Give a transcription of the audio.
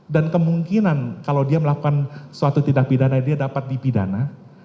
dan kemungkinan kalau dia melakukan suatu tindak pidana dia dapat dipidana